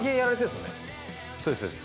そうですそうです。